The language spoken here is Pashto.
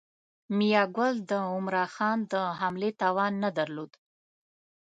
میاګل د عمرا خان د حملې توان نه درلود.